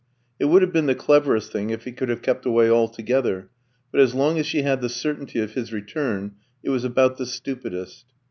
It would have been the cleverest thing if he could have kept away altogether; but as long as she had the certainty of his return, it was about the stupidest.